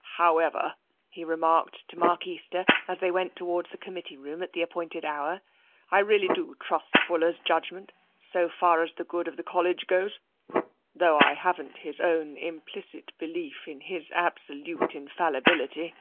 " However," he remarked to Mark Easter, as they went towards the committee room at the appointed hour, " I really do trust Fuller's judgment, so far as TENSION 21 the good of the College goes, though I haven't his own implicit belief in his absolute infallibility."